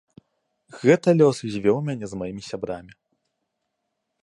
Гэта лёс звёў мяне з маімі сябрамі.